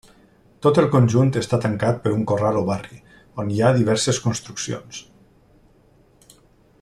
Tot el conjunt està tancat per un corral o barri, on hi ha diverses construccions.